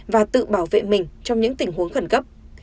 và tự bảo vệ mình trong những tình huống khẩn cấp